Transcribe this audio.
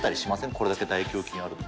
これだけ大胸筋あると。